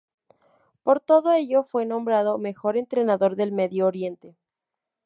Por todo ello fue nombrado ‘Mejor Entrenador del Medio Oriente’.